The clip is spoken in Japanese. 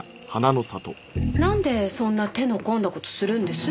なんでそんな手の込んだ事するんです？